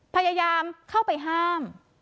พยายามเข้าไปห้าม